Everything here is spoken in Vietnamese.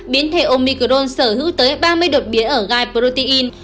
biến thể omicrone sở hữu tới ba mươi đột biến ở gai protein